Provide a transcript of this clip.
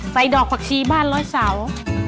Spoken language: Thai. ใส่ดอกผักชีบ้าน๑๐๐สาว